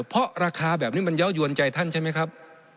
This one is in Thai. เพราะราคาแบบนี้มันเยาวยวนใจท่านใช่ไหมครับ